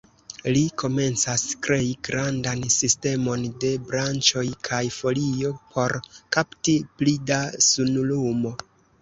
Ri komencas krei grandan sistemon de branĉoj kaj folio, por kapti pli da sunlumo.